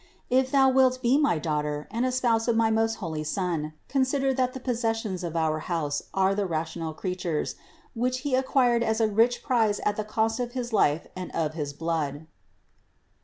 If thou wilt be my daughter and a spouse of my most holy Son, consider that the possessions of our house are the rational creatures, which He acquired as a rich prize at the cost of his life (I Cor.